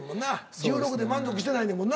１６で満足してないねんもんな。